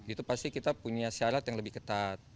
itu pasti kita punya syarat yang lebih ketat